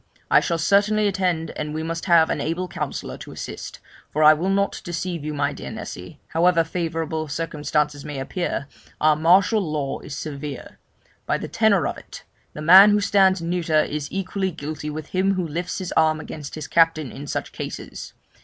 I shall certainly attend, and we must have an able counsellor to assist, for I will not deceive you, my dear Nessy, however favourable circumstances may appear, our martial law is severe; by the tenor of it, the man who stands neuter is equally guilty with him who lifts his arm against his captain in such cases.